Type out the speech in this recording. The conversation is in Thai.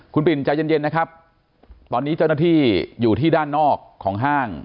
คุณปิ่นใจเย็นนะครับตอนนี้เจ้าหน้าที่อยู่ที่ด้านนอกของห้าง